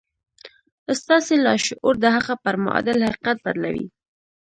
ستاسې لاشعور د هغه پر معادل حقيقت بدلوي.